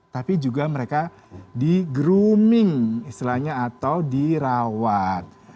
tapi juga mereka di grooming istilahnya atau dirawat